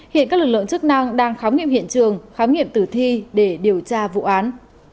hiện các lực lượng chức năng đang khám nghiệm hiện trường khám nghiệm tử thi để điều tra vụ án